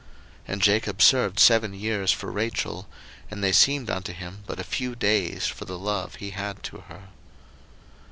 01:029:020 And Jacob served seven years for Rachel; and they seemed unto him but a few days, for the love he had to her.